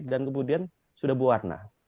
dan kemudian sudah berwarna